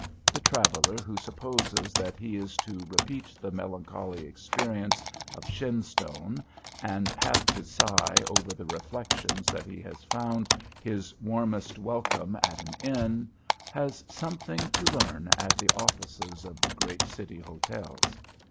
The traveller who supposes that he is to repeat the melancholy experience of Shenstone, and have to sigh over the reflection that he has found "his warmest welcome at an inn," has something to learn at the offices of the great city hotels.